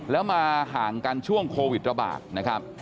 แล้วมาห่างกันช่วงโควิดระบาดนะครับ